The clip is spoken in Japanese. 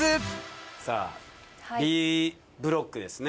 さあＢブロックですね。